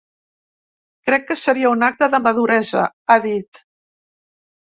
Crec que seria un acte de maduresa, ha dit.